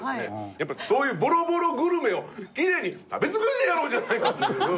やっぱりそういうボロボログルメをきれいに食べ尽くしてやろうじゃないかという。